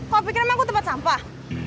kau pikir emang aku tempat sampah